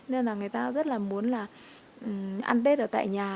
nên là người ta rất là muốn là ăn tết ở tại nhà